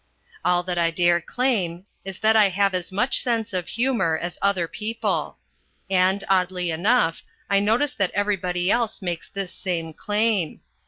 All that I dare claim is that I have as much sense of humour as other people. And, oddly enough, I notice that everybody else makes this same claim.